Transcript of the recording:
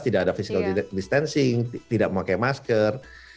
tidak ada physical distancing tidak memakai masker